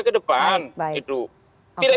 ke depan tidak